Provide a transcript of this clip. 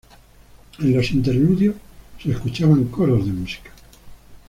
En los interludios se escuchaban coros de música.